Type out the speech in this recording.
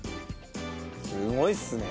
すごいですね。